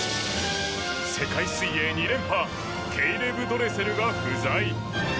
世界水泳２連覇ケイレブ・ドレセルが不在。